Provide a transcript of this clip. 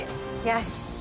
よし。